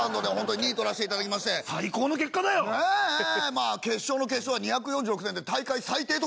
まあ決勝の決勝は２４６点で大会最低得点だった。